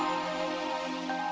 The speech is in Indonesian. gue sama bapaknya